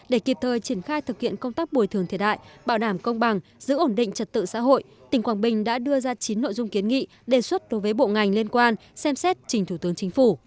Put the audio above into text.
để kịp thời triển khai thực hiện công tác bồi thường thiệt hại bảo đảm công bằng giữ ổn định trật tự xã hội tỉnh quảng bình đã đưa ra chín nội dung kiến nghị đề xuất đối với bộ ngành liên quan xem xét trình thủ tướng chính phủ